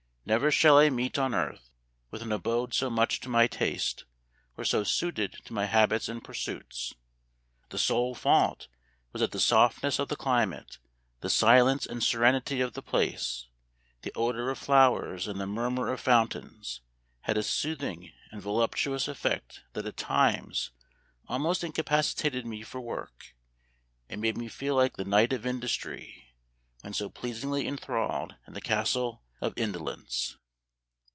Never shall I meet on earth with an abode so much to my taste, or so suited to my habits and pursuits. The sole fault was that the softness of the climate, the silence and serenity of the place, the odor of flowers and the murmur of fountains, had a soothing and voluptuous effect that at times almost incapacitated me for work, and made me feel like the Knight of Industry when so pleasingly inthralled in the Castle of Indo lence."